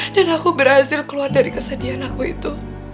dan aku berhasil keluar dari kesedihan aku itu